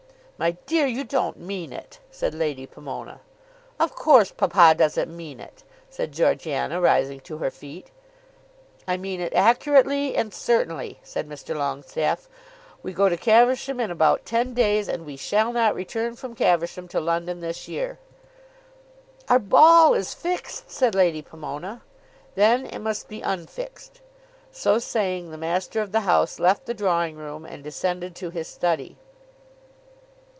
"My dear, you don't mean it," said Lady Pomona. "Of course papa doesn't mean it," said Georgiana rising to her feet. "I mean it accurately and certainly," said Mr. Longestaffe. "We go to Caversham in about ten days, and we shall not return from Caversham to London this year." "Our ball is fixed," said Lady Pomona. "Then it must be unfixed." So saying, the master of the house left the drawing room and descended to his study.